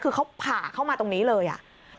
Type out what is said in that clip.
คือเขาผ่าเข้ามาตรงนี้เลยอ่ะ